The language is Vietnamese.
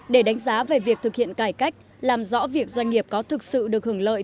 để đánh giá về việc thực hiện cải cách làm rõ việc doanh nghiệp có thực sự được hưởng lợi